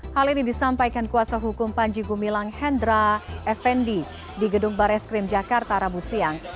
hal ini disampaikan kuasa hukum panji gumilang hendra effendi di gedung bares krim jakarta rabu siang